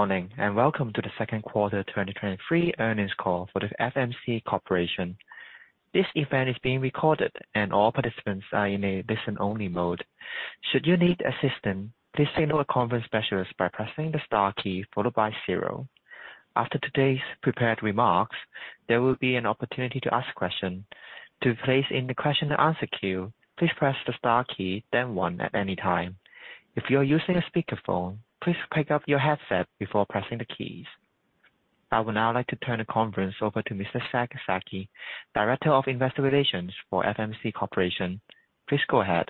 Morning, welcome to the second quarter 2023 earnings call for the FMC Corporation. This event is being recorded, and all participants are in a listen-only mode. Should you need assistance, please signal a conference specialist by pressing the star key followed by zero. After today's prepared remarks, there will be an opportunity to ask a question. To place in the question-and-answer queue, please press the star key, then 1one at any time. If you are using a speakerphone, please pick up your headset before pressing the keys. I would now like to turn the conference over to Mr. Zack Zaki, Director of Investor Relations for FMC Corporation. Please go ahead.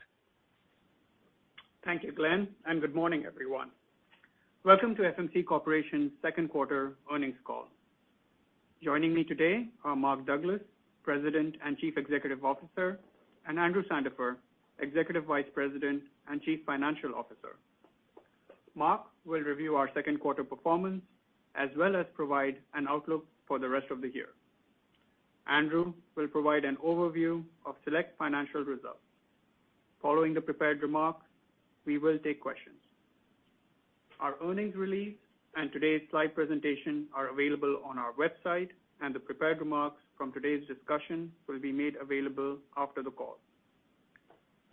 Thank you, Glenn, and good morning, everyone. Welcome to FMC Corporation's second quarter earnings call. Joining me today are Mark Douglas, President and Chief Executive Officer, and Andrew Sandifer, Executive Vice President and Chief Financial Officer. Mark will review our second quarter performance as well as provide an outlook for the rest of the year. Andrew will provide an overview of select financial results. Following the prepared remarks, we will take questions. Our earnings release and today's slide presentation are available on our website, and the prepared remarks from today's discussion will be made available after the call.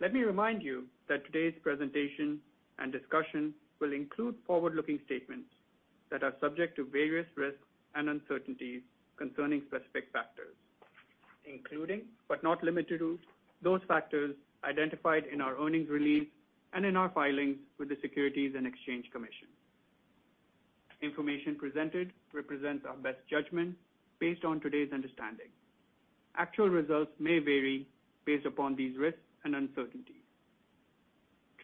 Let me remind you that today's presentation and discussion will include forward-looking statements that are subject to various risks and uncertainties concerning specific factors, including, but not limited to, those factors identified in our earnings release and in our filings with the Securities and Exchange Commission. Information presented represents our best judgment based on today's understanding. Actual results may vary based upon these risks and uncertainties.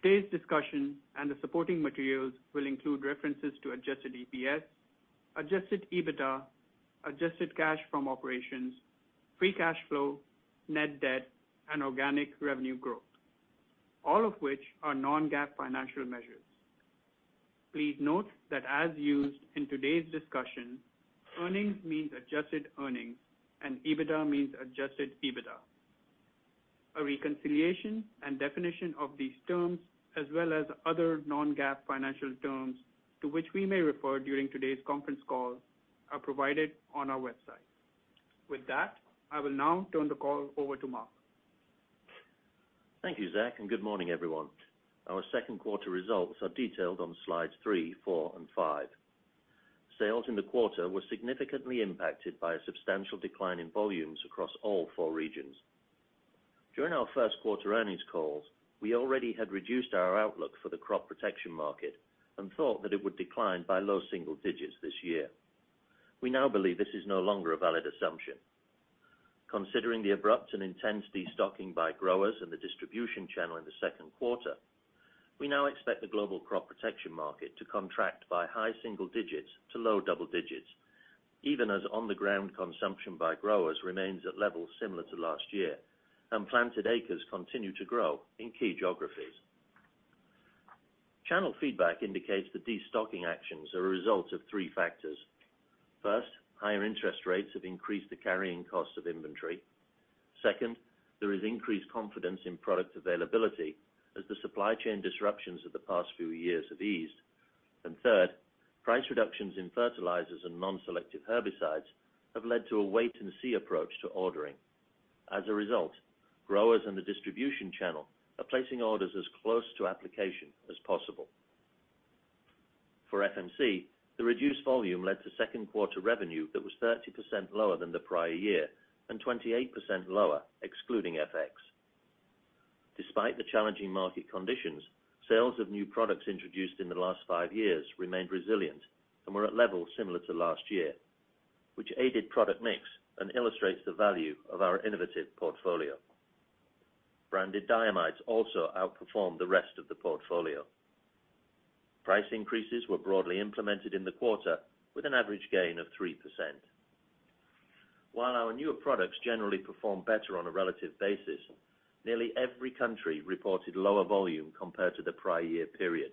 Today's discussion and the supporting materials will include references to Adjusted EPS, Adjusted EBITDA, adjusted cash from operations, free cash flow, net debt, and organic revenue growth, all of which are non-GAAP financial measures. Please note that as used in today's discussion, earnings means adjusted earnings, and EBITDA means Adjusted EBITDA. A reconciliation and definition of these terms, as well as other non-GAAP financial terms to which we may refer during today's conference call, are provided on our website. With that, I will now turn the call over to Mark. Thank you, Zack, and good morning, everyone. Our second quarter results are detailed on slides three, four, and five. Sales in the quarter were significantly impacted by a substantial decline in volumes across all four regions. During our first quarter earnings call, we already had reduced our outlook for the crop protection market and thought that it would decline by low single digits this year. We now believe this is no longer a valid assumption. Considering the abrupt and intense destocking by growers and the distribution channel in the second quarter, we now expect the global crop protection market to contract by high single digits to low double digits, even as on-the-ground consumption by growers remains at levels similar to last year and planted acres continue to grow in key geographies. Channel feedback indicates that destocking actions are a result of three factors: First, higher interest rates have increased the carrying cost of inventory. Second, there is increased confidence in product availability as the supply chain disruptions of the past few years have eased. Third, price reductions in fertilizers and non-selective herbicides have led to a wait-and-see approach to ordering. As a result, growers and the distribution channel are placing orders as close to application as possible. For FMC, the reduced volume led to second quarter revenue that was 30% lower than the prior year and 28% lower, excluding FX. Despite the challenging market conditions, sales of new products introduced in the last five years remained resilient and were at levels similar to last year, which aided product mix and illustrates the value of our innovative portfolio. Branded diamides also outperformed the rest of the portfolio. Price increases were broadly implemented in the quarter with an average gain of 3%. While our newer products generally perform better on a relative basis, nearly every country reported lower volume compared to the prior year period,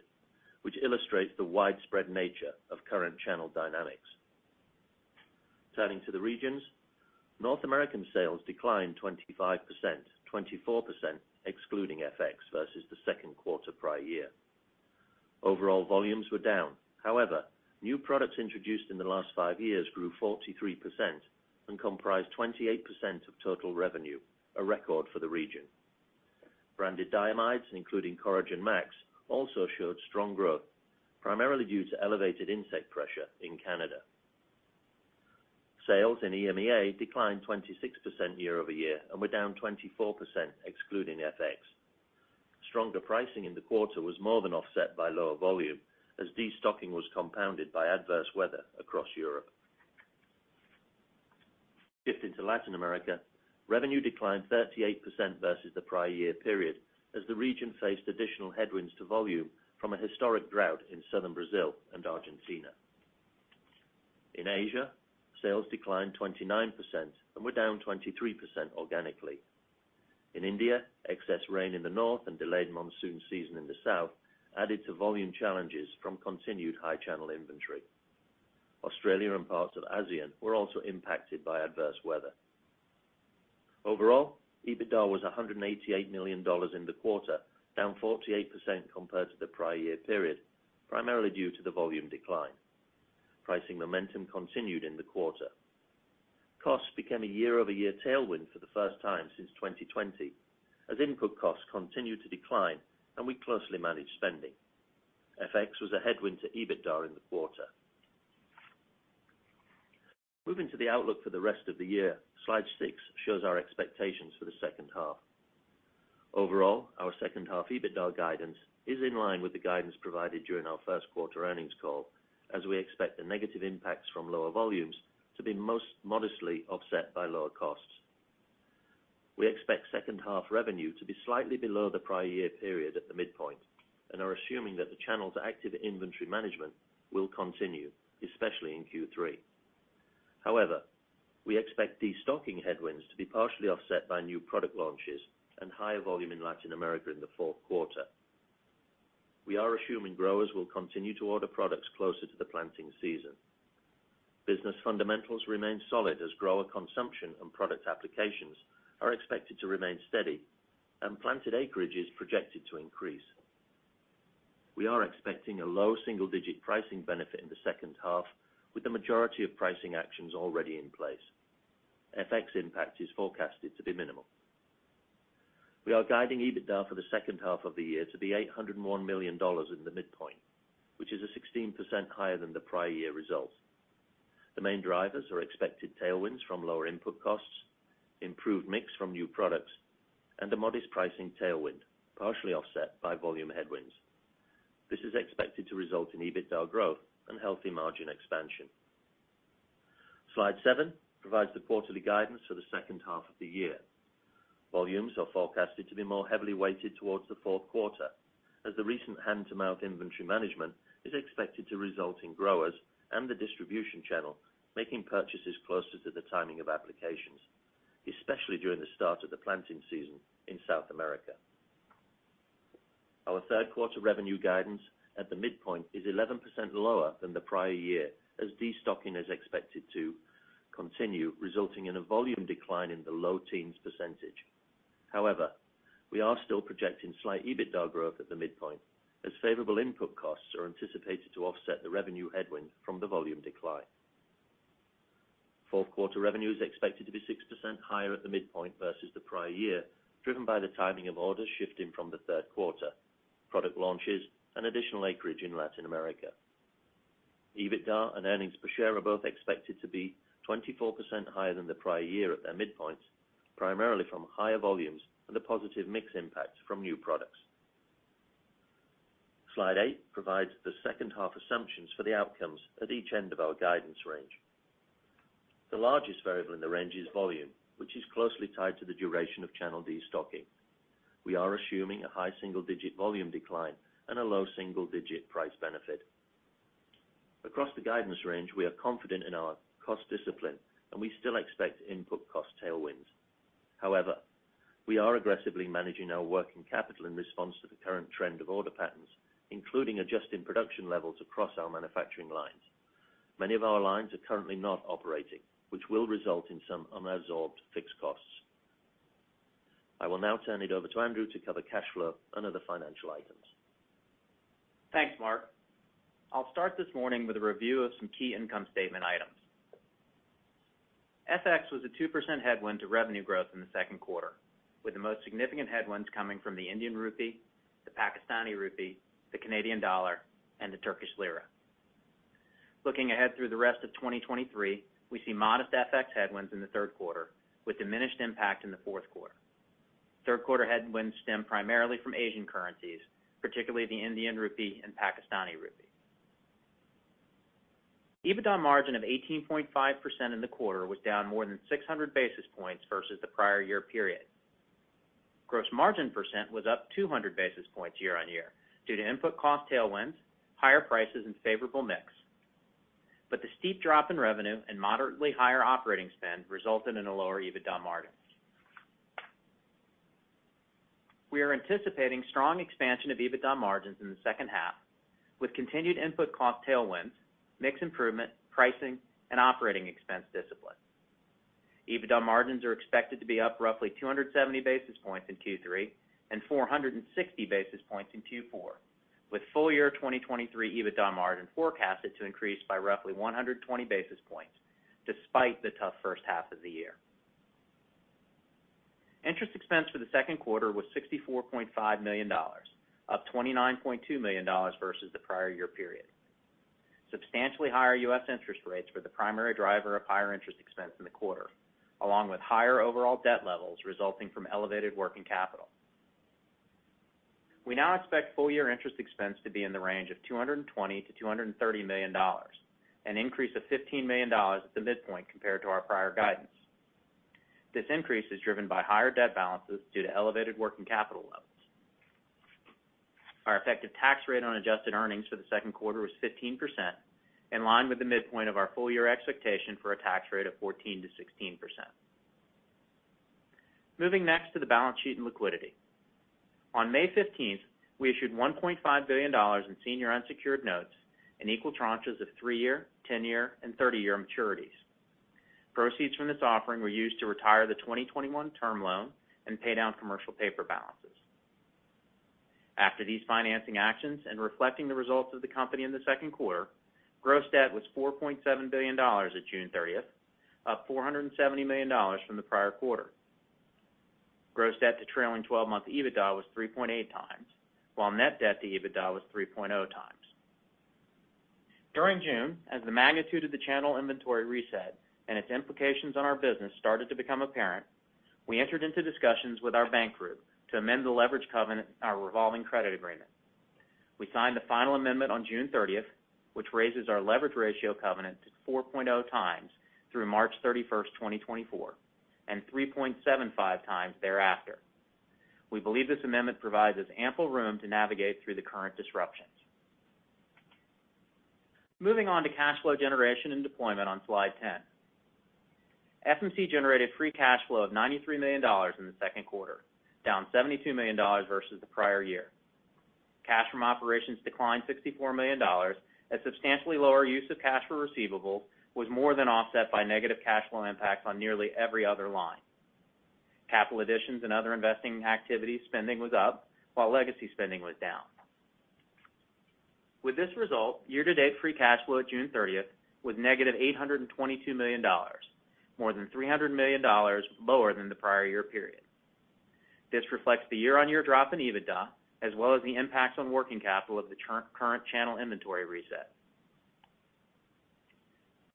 which illustrates the widespread nature of current channel dynamics. Turning to the regions, North American sales declined 25%, 24%, excluding FX, versus the second quarter prior year. Overall, volumes were down. However, new products introduced in the last five years grew 43% and comprised 28% of total revenue, a record for the region. Branded diamides, including Coragen MaX, also showed strong growth, primarily due to elevated insect pressure in Canada. Sales in EMEA declined 26% year-over-year and were down 24%, excluding FX. Stronger pricing in the quarter was more than offset by lower volume, as destocking was compounded by adverse weather across Europe. Shifting to Latin America, revenue declined 38% versus the prior year period, as the region faced additional headwinds to volume from a historic drought in southern Brazil and Argentina. In Asia, sales declined 29% and were down 23% organically. In India, excess rain in the north and delayed monsoon season in the south added to volume challenges from continued high channel inventory. Australia and parts of ASEAN were also impacted by adverse weather. Overall, EBITDA was $188 million in the quarter, down 48% compared to the prior year period, primarily due to the volume decline. Pricing momentum continued in the quarter. Costs became a year-over-year tailwind for the first time since 2020, as input costs continued to decline and we closely managed spending. FX was a headwind to EBITDA in the quarter. Moving to the outlook for the rest of the year, slide six shows our expectations for the second half. Overall, our second half EBITDA guidance is in line with the guidance provided during our first quarter earnings call, as we expect the negative impacts from lower volumes to be most modestly offset by lower costs. We expect second half revenue to be slightly below the prior year period at the midpoint and are assuming that the channel's active inventory management will continue, especially in Q3. We expect destocking headwinds to be partially offset by new product launches and higher volume in Latin America in the fourth quarter. We are assuming growers will continue to order products closer to the planting season. Business fundamentals remain solid as grower consumption and product applications are expected to remain steady and planted acreage is projected to increase. We are expecting a low single-digit pricing benefit in the second half, with the majority of pricing actions already in place. FX impact is forecasted to be minimal. We are guiding EBITDA for the second half of the year to be $801 million in the midpoint, which is 16% higher than the prior year results. The main drivers are expected tailwinds from lower input costs, improved mix from new products, and a modest pricing tailwind, partially offset by volume headwinds. This is expected to result in EBITDA growth and healthy margin expansion. Slide 7 provides the quarterly guidance for the second half of the year. Volumes are forecasted to be more heavily weighted towards the fourth quarter, as the recent hand-to-mouth inventory management is expected to result in growers and the distribution channel making purchases closer to the timing of applications, especially during the start of the planting season in South America. Our third quarter revenue guidance at the midpoint is 11% lower than the prior year, as destocking is expected to continue, resulting in a volume decline in the low teens percentage. We are still projecting slight EBITDA growth at the midpoint, as favorable input costs are anticipated to offset the revenue headwind from the volume decline. Fourth quarter revenue is expected to be 6% higher at the midpoint versus the prior year, driven by the timing of orders shifting from the third quarter, product launches and additional acreage in Latin America. EBITDA and earnings per share are both expected to be 24% higher than the prior year at their midpoints, primarily from higher volumes and the positive mix impacts from new products. Slide 8 provides the second half assumptions for the outcomes at each end of our guidance range. The largest variable in the range is volume, which is closely tied to the duration of channel destocking. We are assuming a high single-digit volume decline and a low single-digit price benefit. Across the guidance range, we are confident in our cost discipline, and we still expect input cost tailwinds. However, we are aggressively managing our working capital in response to the current trend of order patterns, including adjusting production levels across our manufacturing lines. Many of our lines are currently not operating, which will result in some unabsorbed fixed costs. I will now turn it over to Andrew to cover cash flow and other financial items. Thanks, Mark. I'll start this morning with a review of some key income statement items. FX was a 2% headwind to revenue growth in the second quarter, with the most significant headwinds coming from the Indian rupee, the Pakistani rupee, the Canadian dollar, and the Turkish lira. Looking ahead through the rest of 2023, we see modest FX headwinds in the third quarter, with diminished impact in the fourth quarter. Third quarter headwinds stem primarily from Asian currencies, particularly the Indian rupee and Pakistani rupee. EBITDA margin of 18.5% in the quarter was down more than 600 basis points versus the prior year period. Gross margin percent was up 200 basis points year-on-year due to input cost tailwinds, higher prices and favorable mix. The steep drop in revenue and moderately higher operating spend resulted in a lower EBITDA margin. We are anticipating strong expansion of EBITDA margins in the second half, with continued input cost tailwinds, mix improvement, pricing, and operating expense discipline. EBITDA margins are expected to be up roughly 270 basis points in Q3 and 460 basis points in Q4, with full year 2023 EBITDA margin forecasted to increase by roughly 120 basis points despite the tough first half of the year. Interest expense for the second quarter was $64.5 million, up $29.2 million versus the prior year period. Substantially higher U.S. interest rates were the primary driver of higher interest expense in the quarter, along with higher overall debt levels resulting from elevated working capital. We now expect full year interest expense to be in the range of $220 million-$230 million, an increase of $15 million at the midpoint compared to our prior guidance. This increase is driven by higher debt balances due to elevated working capital levels. Our effective tax rate on adjusted earnings for the second quarter was 15%, in line with the midpoint of our full year expectation for a tax rate of 14%-16%. Moving next to the balance sheet and liquidity. On May 15th, we issued $1.5 billion in senior unsecured notes in equal tranches of three-year, 10-year, and 30-year maturities. Proceeds from this offering were used to retire the 2021 term loan and pay down commercial paper balances. After these financing actions and reflecting the results of the company in the second quarter, gross debt was $4.7 billion at June 30th, up $470 million from the prior quarter. Gross debt to trailing twelve-month EBITDA was 3.8x, while net debt to EBITDA was 3.0x. During June, as the magnitude of the channel inventory reset and its implications on our business started to become apparent, we entered into discussions with our bank group to amend the leverage covenant, our revolving credit agreement. We signed the final amendment on June 30th, which raises our leverage ratio covenant to 4.0x through March 31st, 2024, and 3.75xthereafter. We believe this amendment provides us ample room to navigate through the current disruptions. Moving on to cash flow generation and deployment on slide 10. FMC generated free cash flow of $93 million in the second quarter, down $72 million versus the prior year. Cash from operations declined $64 million. A substantially lower use of cash for receivables was more than offset by negative cash flow impacts on nearly every other line. Capital additions and other investing activities, spending was up while legacy spending was down. With this result, year-to-date free cash flow at June 30th was negative $822 million, more than $300 million lower than the prior year period. This reflects the year-on-year drop in EBITDA, as well as the impacts on working capital of the current channel inventory reset.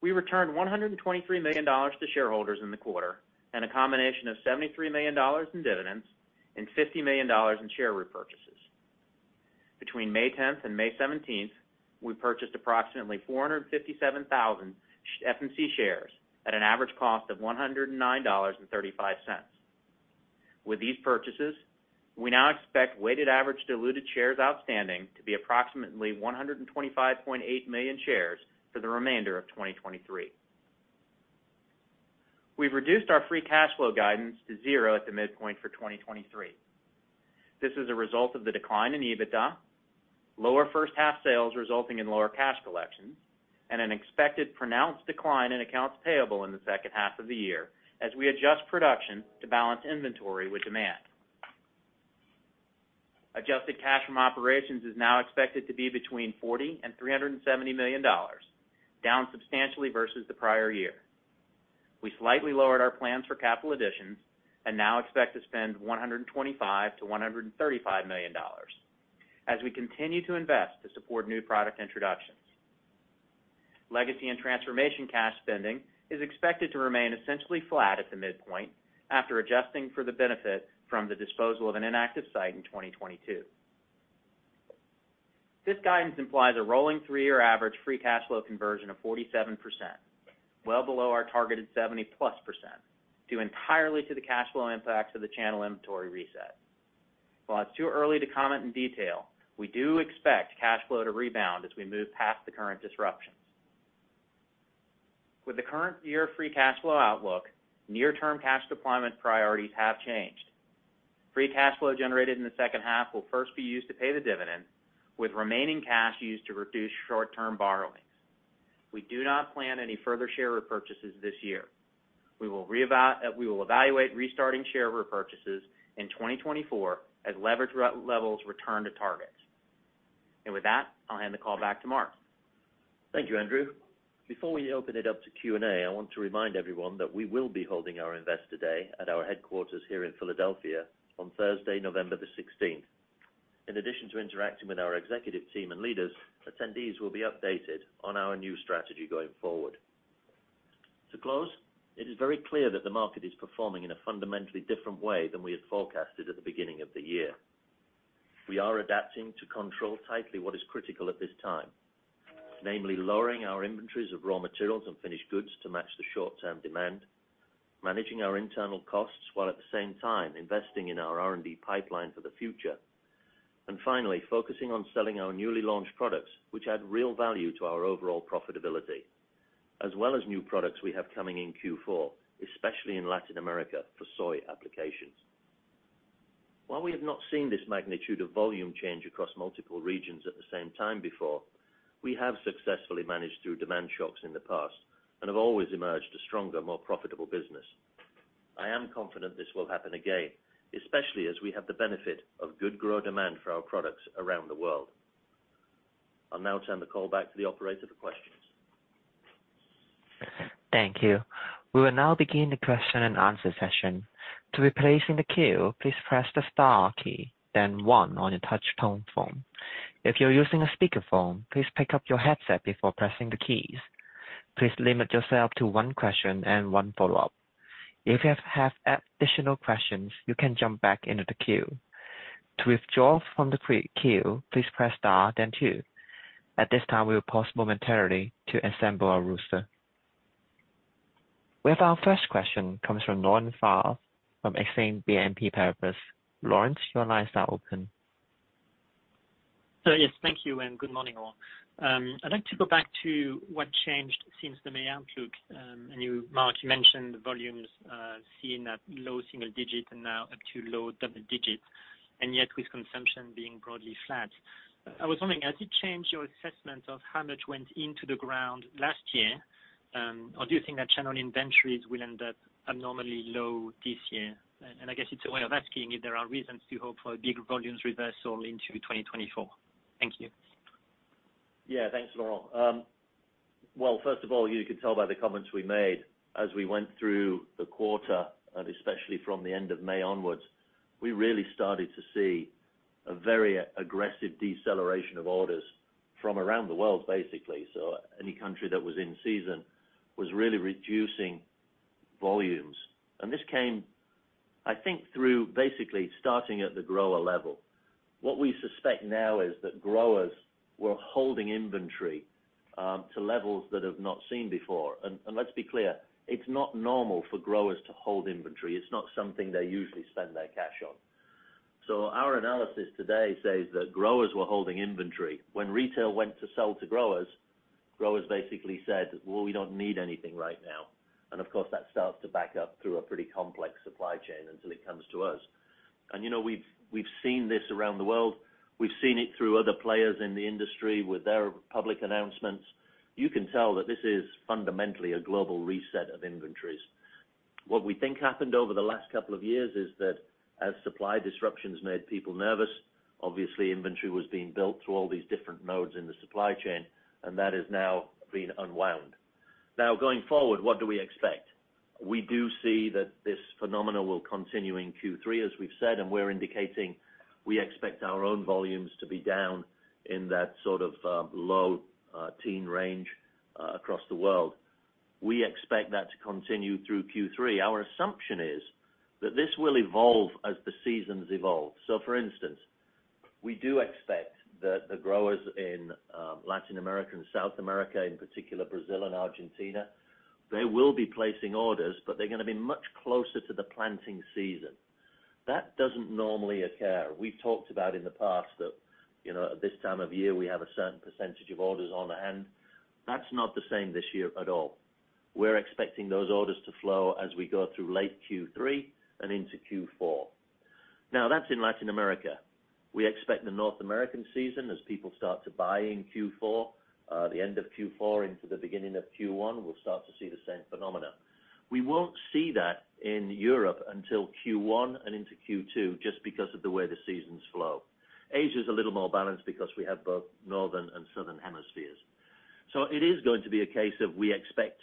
We returned $123 million to shareholders in the quarter and a combination of $73 million in dividends and $50 million in share repurchases. Between May 10th and May 17th, we purchased approximately 457,000 FMC shares at an average cost of $109.35. With these purchases, we now expect weighted average diluted shares outstanding to be approximately 125.8 million shares for the remainder of 2023. We've reduced our free cash flow guidance to zero at the midpoint for 2023. This is a result of the decline in EBITDA, lower first half sales resulting in lower cash collections, and an expected pronounced decline in accounts payable in the second half of the year as we adjust production to balance inventory with demand. Adjusted cash from operations is now expected to be between $40 million and $370 million, down substantially versus the prior year. We slightly lowered our plans for capital additions and now expect to spend $125 million-$135 million, as we continue to invest to support new product introductions. Legacy and transformation cash spending is expected to remain essentially flat at the midpoint after adjusting for the benefit from the disposal of an inactive site in 2022. This guidance implies a rolling three-year average free cash flow conversion of 47%, well below our targeted 70%+, due entirely to the cash flow impacts of the channel inventory reset. While it's too early to comment in detail, we do expect cash flow to rebound as we move past the current disruptions. With the current year free cash flow outlook, near-term cash deployment priorities have changed. Free cash flow generated in the second half will first be used to pay the dividend, with remaining cash used to reduce short-term borrowings. We do not plan any further share repurchases this year. We will evaluate restarting share repurchases in 2024 as leverage levels return to target. With that, I'll hand the call back to Mark. Thank you, Andrew. Before we open it up to Q&A, I want to remind everyone that we will be holding our Investor Day at our headquarters here in Philadelphia on Thursday, November 16th. In addition to interacting with our executive team and leaders, attendees will be updated on our new strategy going forward. To close, it is very clear that the market is performing in a fundamentally different way than we had forecasted at the beginning of the year. We are adapting to control tightly what is critical at this time, namely, lowering our inventories of raw materials and finished goods to match the short-term demand, managing our internal costs, while at the same time investing in our R&D pipeline for the future. Finally, focusing on selling our newly launched products, which add real value to our overall profitability, as well as new products we have coming in Q4, especially in Latin America, for soy applications. While we have not seen this magnitude of volume change across multiple regions at the same time before, we have successfully managed through demand shocks in the past and have always emerged a stronger, more profitable business. I am confident this will happen again, especially as we have the benefit of good growth demand for our products around the world. I'll now turn the call back to the operator for questions. Thank you. We will now begin the question-and-answer session. To be placed in the queue, please press the star key, then one on your touchtone phone. If you're using a speakerphone, please pick up your headset before pressing the keys. Please limit yourself to one question and one follow-up. If you have additional questions, you can jump back into the queue. To withdraw from the queue, please press star, then two. At this time, we will pause momentarily to assemble our roster. We have our first question comes from Laurent Favre from Exane BNP Paribas. Laurent, your line is now open. Yes, thank you, and good morning, all. I'd like to go back to what changed since the May outlook. You, Mark, you mentioned the volumes seen at low single digits and now up to low double digits, and yet with consumption being broadly flat. I was wondering, has it changed your assessment of how much went into the ground last year, or do you think that channel inventories will end up abnormally low this year? I guess it's a way of asking if there are reasons to hope for a big volumes reversal into 2024. Thank you. Yeah, thanks, Laurel. Well, first of all, you could tell by the comments we made as we went through the quarter, and especially from the end of May onwards, we really started to see a very aggressive deceleration of orders from around the world, basically. Any country that was in season was really reducing volumes. This came, I think, through basically starting at the grower level. What we suspect now is that growers were holding inventory to levels that have not seen before. Let's be clear, it's not normal for growers to hold inventory. It's not something they usually spend their cash on. Our analysis today says that growers were holding inventory. When retail went to sell to growers, growers basically said, "Well, we don't need anything right now." Of course, that starts to back up through a pretty complex supply chain until it comes to us. You know, we've, we've seen this around the world. We've seen it through other players in the industry with their public announcements. You can tell that this is fundamentally a global reset of inventories. What we think happened over the last couple of years is that as supply disruptions made people nervous, obviously inventory was being built through all these different nodes in the supply chain, and that is now being unwound. Now, going forward, what do we expect? We do see that this phenomena will continue in Q3, as we've said, we're indicating we expect our own volumes to be down in that sort of low teen range across the world. We expect that to continue through Q3. Our assumption is that this will evolve as the seasons evolve. For instance, we do expect that the growers in Latin America and South America, in particular, Brazil and Argentina, they will be placing orders, but they're gonna be much closer to the planting season. That doesn't normally occur. We've talked about in the past that, you know, at this time of year, we have a certain percentage of orders on hand. That's not the same this year at all. We're expecting those orders to flow as we go through late Q3 and into Q4. That's in Latin America. We expect the North American season, as people start to buy in Q4, the end of Q4 into the beginning of Q1, we'll start to see the same phenomena. We won't see that in Europe until Q1 and into Q2, just because of the way the seasons flow. Asia is a little more balanced because we have both northern and southern hemispheres. It is going to be a case of, we expect,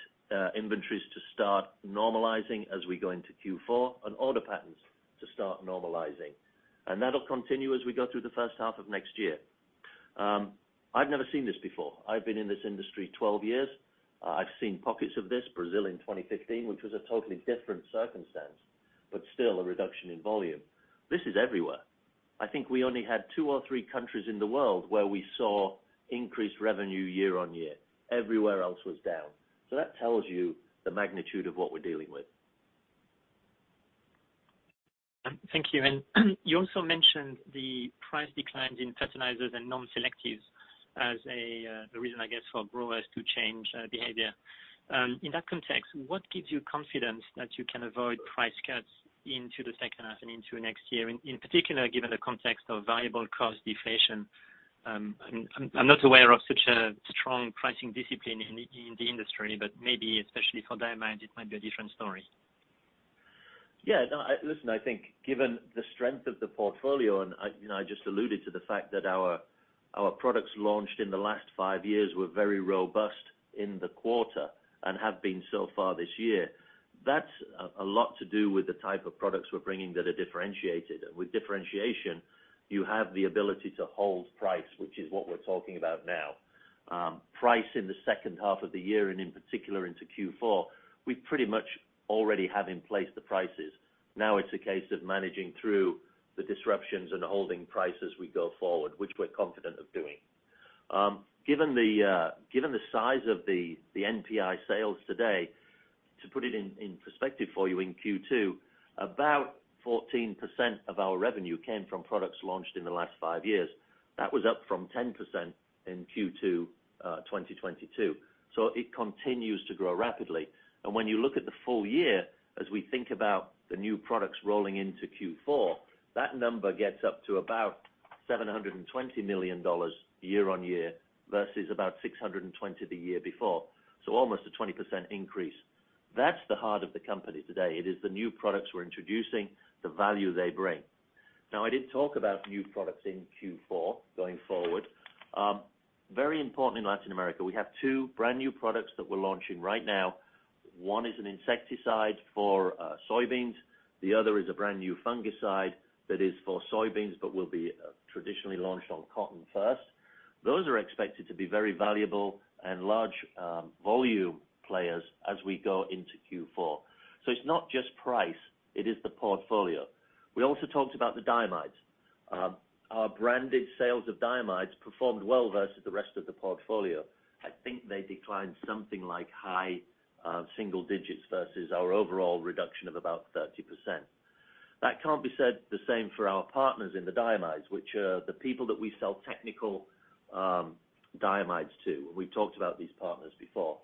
inventories to start normalizing as we go into Q4 and order patterns to start normalizing. That'll continue as we go through the first half of next year. I've never seen this before. I've been in this industry 12 years. I've seen pockets of this, Brazil in 2015, which was a totally different circumstance, but still a reduction in volume. This is everywhere. I think we only had two or three countries in the world where we saw increased revenue year-over-year. Everywhere else was down. That tells you the magnitude of what we're dealing with. Thank you. You also mentioned the price declines in fertilizers and non-selective herbicides as a reason, I guess, for growers to change behavior. In that context, what gives you confidence that you can avoid price cuts into the second half and into next year, in particular, given the context of variable cost deflation? I'm, I'm not aware of such a strong pricing discipline in the industry, but maybe especially for diamide, it might be a different story. Yeah, no, listen, I think given the strength of the portfolio, and I, you know, I just alluded to the fact that our products launched in the last five years were very robust in the quarter and have been so far this year. That's a, a lot to do with the type of products we're bringing that are differentiated. With differentiation, you have the ability to hold price, which is what we're talking about now. Price in the second half of the year, and in particular into Q4, we pretty much already have in place the prices. Now it's a case of managing through the disruptions and holding price as we go forward, which we're confident of doing. Given the size of the NPI sales today, to put it in perspective for you, in Q2, about 14% of our revenue came from products launched in the last five years. That was up from 10% in Q2 2022. It continues to grow rapidly. When you look at the full year, as we think about the new products rolling into Q4, that number gets up to about $720 million year-over-year, versus about $620 million the year before. Almost a 20% increase. That's the heart of the company today. It is the new products we're introducing, the value they bring. Now, I did talk about new products in Q4 going forward. Very important in Latin America, we have 2 brand new products that we're launching right now. One is an insecticide for soybeans. The other is a brand new fungicide that is for soybeans, but will be traditionally launched on cotton first. Those are expected to be very valuable and large volume players as we go into Q4. It's not just price, it is the portfolio. We also talked about the diamides. Our branded sales of diamides performed well versus the rest of the portfolio. I think they declined something like high single digits versus our overall reduction of about 30%. That can't be said the same for our partners in the diamides, which are the people that we sell technical diamides to. We've talked about these partners before.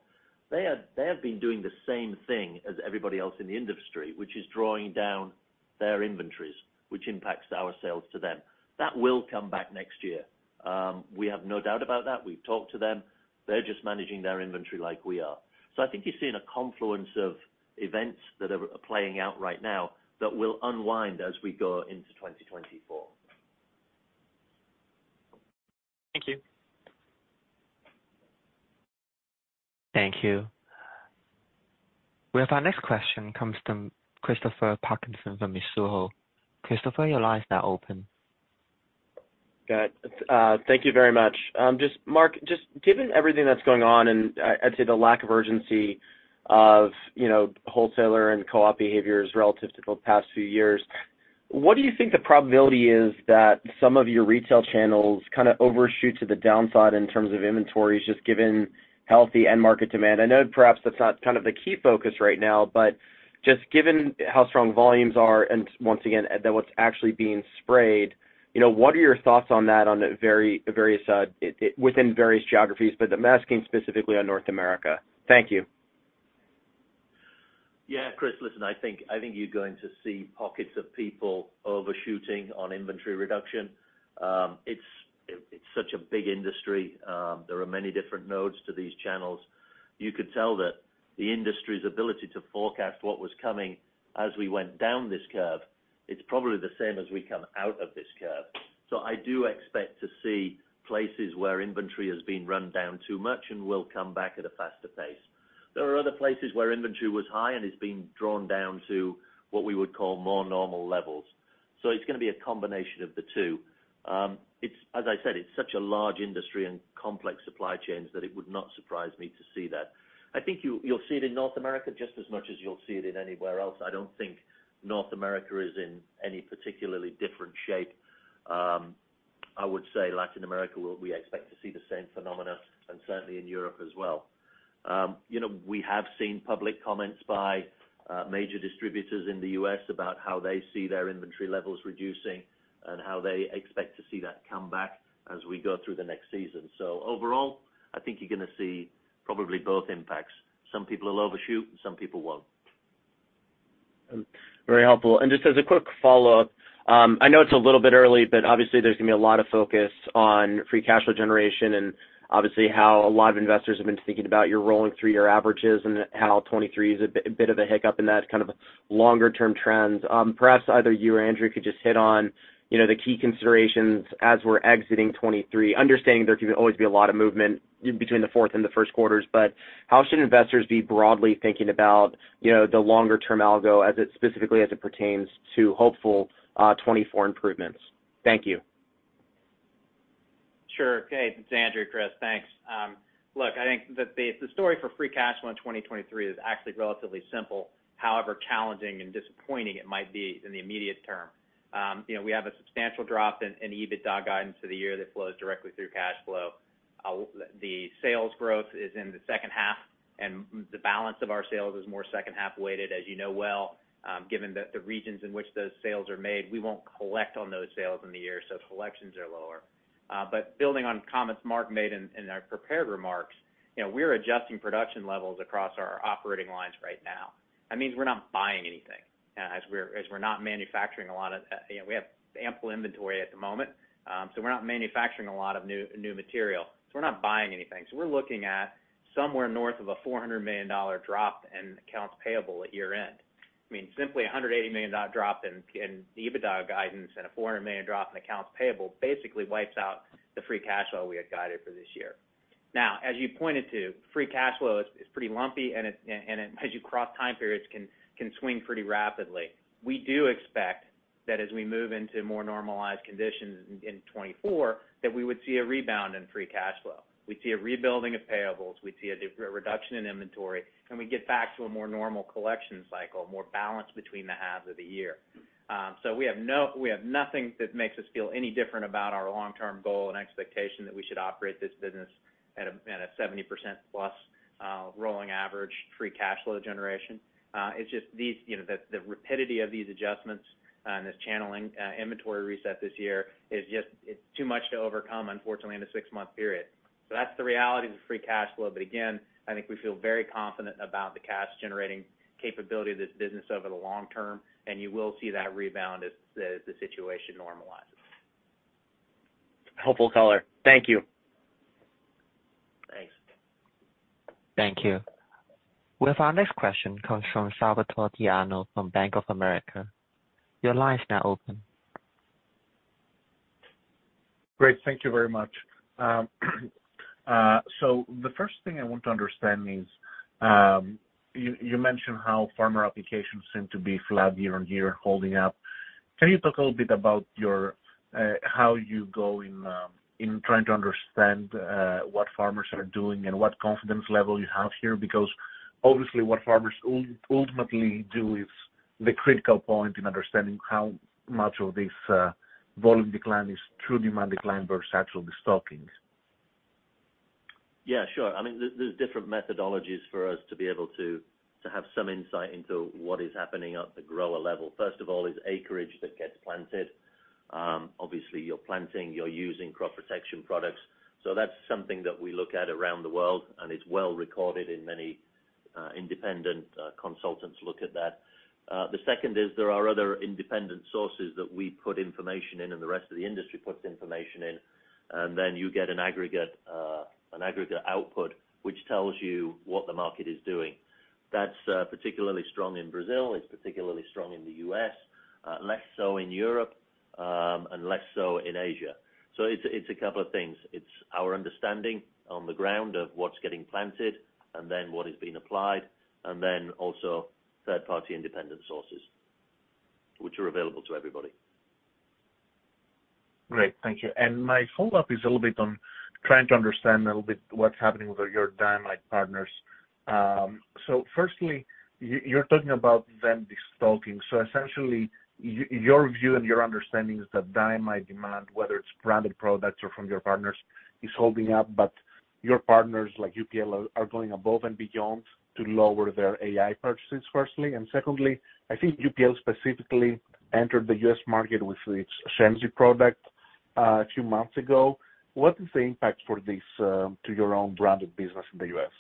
They have been doing the same thing as everybody else in the industry, which is drawing down their inventories, which impacts our sales to them. That will come back next year. We have no doubt about that. We've talked to them. They're just managing their inventory like we are. I think you're seeing a confluence of events that are, are playing out right now that will unwind as we go into 2024. Thank you. Thank you. Our next question comes from Christopher Parkinson from Mizuho. Christopher, your line is now open. Got it. Thank you very much. Just Mark, just given everything that's going on, and I'd say the lack of urgency of, you know, wholesaler and co-op behaviors relative to the past few years, what do you think the probability is that some of your retail channels kind of overshoot to the downside in terms of inventories, just given healthy end market demand? I know perhaps that's not kind of the key focus right now, but just given how strong volumes are, and once again, that what's actually being sprayed, you know, what are your thoughts on that on a very, very within various geographies, but I'm asking specifically on North America. Thank you. Yeah, Chris, listen, I think, I think you're going to see pockets of people overshooting on inventory reduction. It's such a big industry. There are many different nodes to these channels. You could tell that the industry's ability to forecast what was coming as we went down this curve, it's probably the same as we come out of this curve. I do expect to see places where inventory has been run down too much and will come back at a faster pace. There are other places where inventory was high and is being drawn down to what we would call more normal levels. It's gonna be a combination of the two. It's, as I said, it's such a large industry and complex supply chains that it would not surprise me to see that. I think you'll, you'll see it in North America just as much as you'll see it in anywhere else. I don't think North America is in any particularly different shape. I would say Latin America, where we expect to see the same phenomena and certainly in Europe as well. You know, we have seen public comments by major distributors in the U.S. about how they see their inventory levels reducing and how they expect to see that come back as we go through the next season. Overall, I think you're gonna see probably both impacts. Some people will overshoot, and some people won't. Very helpful. Just as a quick follow-up, I know it's a little bit early, but obviously there's going to be a lot of focus on free cash flow generation and obviously how a lot of investors have been thinking about your rolling three-year averages and how 2023 is a bit, a bit of a hiccup in that kind of longer-term trends. Perhaps either you or Andrew could just hit on, you know, the key considerations as we're exiting 2023, understanding there can always be a lot of movement between the fourth and the first quarters. How should investors be broadly thinking about, you know, the longer term algo as it specifically as it pertains to hopeful, 2024 improvements? Thank you. Sure. Okay, it's Andrew, Chris. Thanks. Look, I think that the story for free cash flow in 2023 is actually relatively simple, however challenging and disappointing it might be in the immediate term. You know, we have a substantial drop in EBITDA guidance for the year that flows directly through cash flow. The sales growth is in the second half, and the balance of our sales is more second half weighted, as you know well. Given the regions in which those sales are made, we won't collect on those sales in the year, so collections are lower. Building on comments Mark made in our prepared remarks, you know, we're adjusting production levels across our operating lines right now. That means we're not buying anything, as we're not manufacturing a lot of, you know, we have ample inventory at the moment, so we're not manufacturing a lot of new material. We're not buying anything. We're looking at somewhere north of a $400 million drop in accounts payable at year-end. I mean, simply a $180 million drop in EBITDA guidance and a $400 million drop in accounts payable basically wipes out the free cash flow we had guided for this year. As you pointed to, free cash flow is pretty lumpy, and it and as you cross time periods, can swing pretty rapidly. We do expect that as we move into more normalized conditions in 2024, that we would see a rebound in free cash flow. We'd see a rebuilding of payables, we'd see a reduction in inventory, and we get back to a more normal collection cycle, more balanced between the halves of the year. We have no-- we have nothing that makes us feel any different about our long-term goal and expectation that we should operate this business at a, at a 70%+ rolling average free cash flow generation. It's just these, you know, the rapidity of these adjustments and this channeling, inventory reset this year is just, it's too much to overcome, unfortunately, in a 6-month period. That's the reality of the free cash flow. Again, I think we feel very confident about the cash-generating capability of this business over the long term, and you will see that rebound as the situation normalizes. Helpful color. Thank you. Thanks. Thank you. Well, our next question comes from Salvator Tiano from Bank of America. Your line is now open. Great. Thank you very much. The first thing I want to understand is, you, you mentioned how farmer applications seem to be flat year over year, holding up. Can you talk a little bit about your, how you go in, in trying to understand, what farmers are doing and what confidence level you have here? Because obviously, what farmers ultimately do is the critical point in understanding how much of this, volume decline is true demand decline versus actual destockings. Yeah, sure. I mean, there, there's different methodologies for us to be able to have some insight into what is happening at the grower level. First of all, is acreage that gets planted. Obviously, you're planting, you're using crop protection products. That's something that we look at around the world, and it's well recorded, and many independent consultants look at that. The second is there are other independent sources that we put information in, and the rest of the industry puts information in, and then you get an aggregate, an aggregate output, which tells you what the market is doing. That's particularly strong in Brazil, it's particularly strong in the U.S., less so in Europe, and less so in Asia. It's a couple of things. It's our understanding on the ground of what's getting planted and then what is being applied, and then also third-party independent sources, which are available to everybody. Great, thank you. My follow-up is a little bit on trying to understand a little bit what's happening with your diamide partners. Firstly, you're talking about them destocking. Essentially, your view and your understanding is that diamide demand, whether it's branded products or from your partners, is holding up, but your partners, like UPL, are going above and beyond to lower their AI purchases, firstly. Secondly, I think UPL specifically entered the U.S. market with its Shenzi product, a few months ago. What is the impact for this, to your own branded business in the U.S.?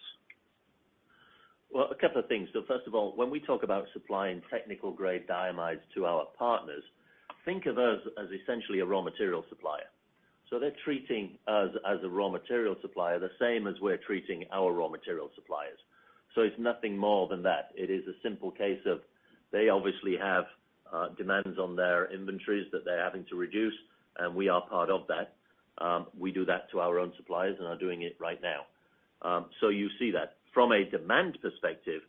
Well, a couple of things. First of all, when we talk about supplying technical-grade diamides to our partners, think of us as essentially a raw material supplier. They're treating us as a raw material supplier, the same as we're treating our raw material suppliers. It's nothing more than that. It is a simple case of they obviously have demands on their inventories that they're having to reduce, and we are part of that. We do that to our own suppliers and are doing it right now. You see that. From a demand perspective,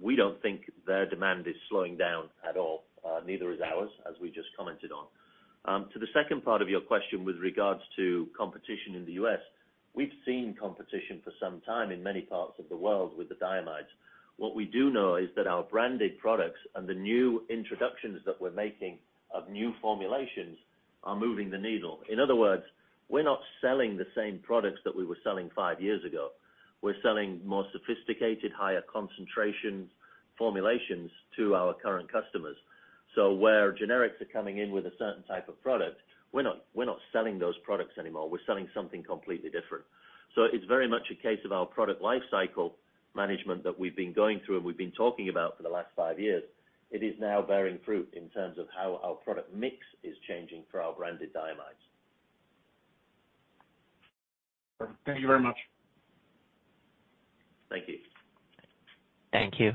we don't think their demand is slowing down at all, neither is ours, as we just commented on. To the second part of your question, with regards to competition in the U.S., we've seen competition for some time in many parts of the world with the diamides. What we do know is that our branded products and the new introductions that we're making of new formulations are moving the needle. In other words, we're not selling the same products that we were selling five years ago. We're selling more sophisticated, higher concentration formulations to our current customers. Where generics are coming in with a certain type of product, we're not, we're not selling those products anymore. We're selling something completely different. It's very much a case of our product lifecycle management that we've been going through and we've been talking about for the last five years. It is now bearing fruit in terms of how our product mix is changing for our Branded diamides. Thank you very much. Thank you. Thank you.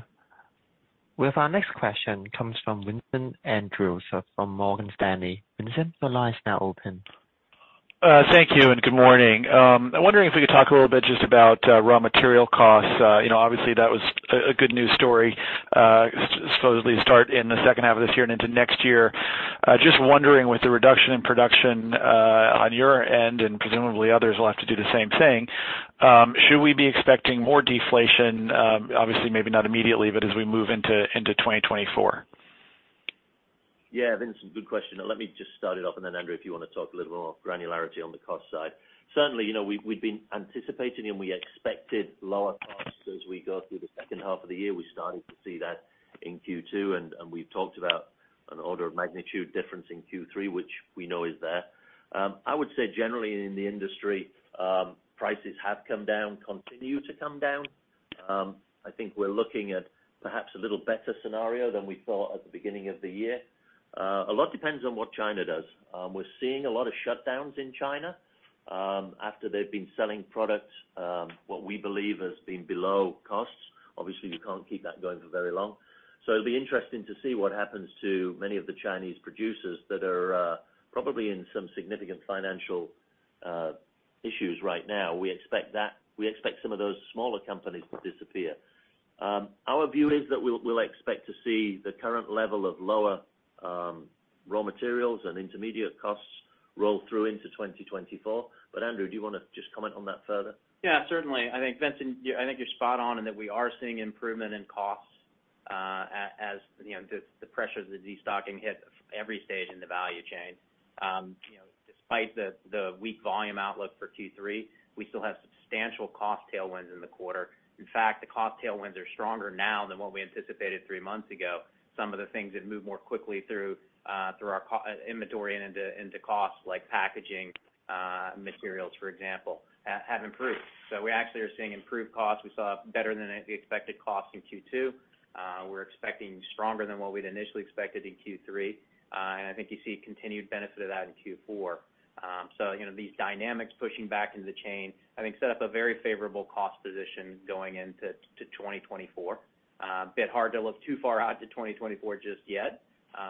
With our next question comes from Vincent Andrews from Morgan Stanley. Vincent, your line is now open. Thank you, and good morning. I'm wondering if we could talk a little bit just about raw material costs. You know, obviously, that was a good news story, supposedly to start in the second half of this year and into next year. Just wondering, with the reduction in production on your end, and presumably others will have to do the same thing, should we be expecting more deflation? Obviously, maybe not immediately, but as we move into 2024. Yeah, Vincent, good question. Let me just start it off, and then Andrew, if you want to talk a little more granularity on the cost side. Certainly, you know, we've been anticipating and we expected lower costs as we go through the second half of the year. We started to see that in Q2, and we've talked about an order of magnitude difference in Q3, which we know is there. I would say generally in the industry, prices have come down, continue to come down. I think we're looking at perhaps a little better scenario than we thought at the beginning of the year. A lot depends on what China does. We're seeing a lot of shutdowns in China, after they've been selling products, what we believe has been below costs. Obviously, you can't keep that going for very long. It'll be interesting to see what happens to many of the Chinese producers that are probably in some significant financial issues right now. We expect some of those smaller companies to disappear. Our view is that we'll, we'll expect to see the current level of lower raw materials and intermediate costs roll through into 2024. Andrew, do you want to just comment on that further? Yeah, certainly. I think, Vincent, I think you're spot on in that we are seeing improvement in costs, as, you know, the, the pressures of the destocking hit every stage in the value chain. You know, despite the, the weak volume outlook for Q3, we still have substantial cost tailwinds in the quarter. In fact, the cost tailwinds are stronger now than what we anticipated 3 months ago. Some of the things that moved more quickly through, through our inventory and into, into costs, like packaging, materials, for example, have improved. We actually are seeing improved costs. We saw better than the expected costs in Q2. We're expecting stronger than what we'd initially expected in Q3. I think you see continued benefit of that in Q4. You know, these dynamics pushing back into the chain, I think, set up a very favorable cost position going into to 2024. A bit hard to look too far out to 2024 just yet,